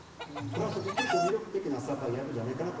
プラス結構魅力的なサッカーやるんじゃないかな